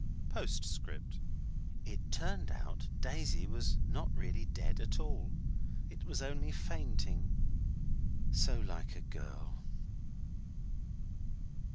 P.S. It turned out Daisy was not really dead at all. It was only fainting so like a girl.